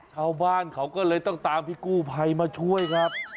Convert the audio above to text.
ชาวบ้านเขาก็เลยต้องตามพี่กู้ภัยมาช่วยครับ